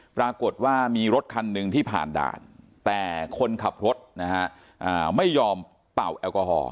ปรากฏว่ามีรถคันหนึ่งที่ผ่านด่านแต่คนขับรถนะฮะไม่ยอมเป่าแอลกอฮอล